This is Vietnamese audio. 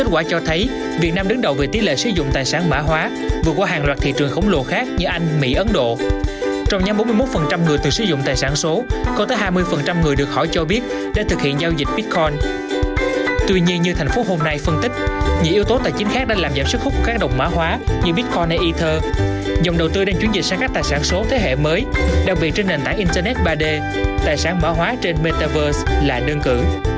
sáu thế hệ mới đặc biệt trên nền tảng internet ba d tài sản mã hóa trên metaverse là đơn cử